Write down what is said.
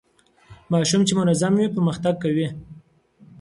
ماشوم چي منظم وي پرمختګ کوي.